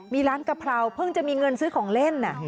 มีร้านกะเพราเพิ่งจะมีเงินซื้อของเล่น